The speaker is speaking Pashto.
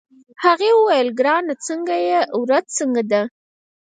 هغې وویل: ګرانه څنګه يې، ورځ څنګه ده؟